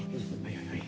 はい。